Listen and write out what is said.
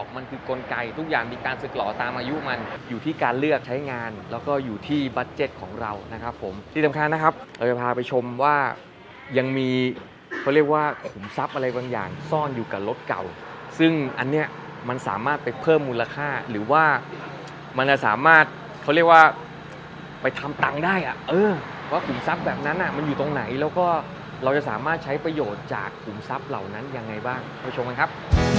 ว่ายังมีเขาเรียกว่าขุมทรัพย์อะไรบางอย่างซ่อนอยู่กับรถเก่าซึ่งอันเนี้ยมันสามารถไปเพิ่มมูลค่าหรือว่ามันจะสามารถเขาเรียกว่าไปทำตังได้อ่ะเออว่าขุมทรัพย์แบบนั้นน่ะมันอยู่ตรงไหนแล้วก็เราจะสามารถใช้ประโยชน์จากขุมทรัพย์เหล่านั้นยังไงบ้างไปชมกันครับ